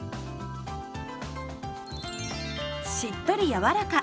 しっとり柔らか！